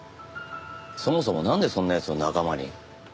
そもそもなんでそんな奴を仲間に？